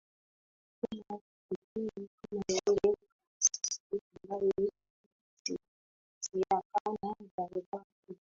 Kuna kipepeo kama vile Karasisi ambaye hupatiakana Zanzibar tu